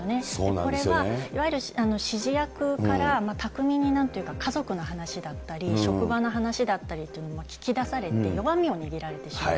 これがいわゆる指示役から巧みに、なんというか、家族の話だったり、職場の話だったりっていうのを聞き出されて、弱みを握られてしまう。